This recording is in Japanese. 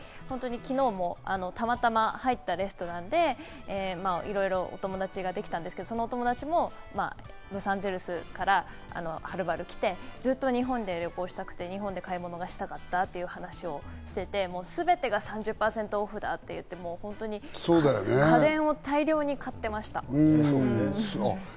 昨日もたまたま入ったレストランでいろいろお友達ができたんですけど、そのお友達もロサンゼルスからはるばる来て、ずっと日本で旅行したくて、日本で買い物がしたかったという話をしていて、全てが３０％オフだと言って家電を大量に買ってました。